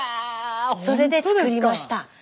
それで作りました。